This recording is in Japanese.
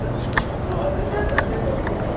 私だったらでも言うかも。